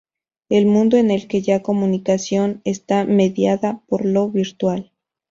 El mundo en el que lla comunicación está mediada por lo virtual.